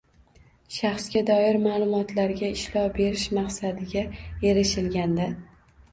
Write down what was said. shaxsga doir ma’lumotlarga ishlov berish maqsadiga erishilganda;